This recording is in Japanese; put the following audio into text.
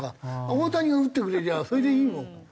大谷が打ってくれりゃそれでいいもん。